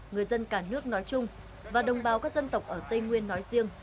người dân cả nước nói chung và đồng bào các dân tộc ở tây nguyên nói riêng